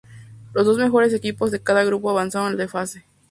Los dos mejores equipos de cada grupo avanzaron de fase.